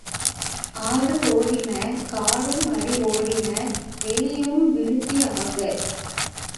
ஆடு ஓடின காடும் அடி ஓடின வெளியும் விருத்தி ஆகா.